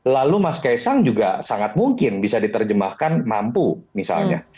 lalu mas kaisang juga sangat mungkin bisa diterjemahkan mampu misalnya